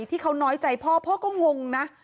ที่เขาน้อยใจพ่อพ่อก็งงนะ